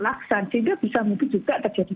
laksan sehingga bisa mungkin juga terjadi